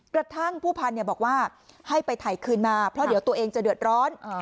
กระทั่งผู้พันธุ์บอกว่าให้ไปถ่ายคืนมาเพราะเดี๋ยวตัวเองจะเดือดร้อน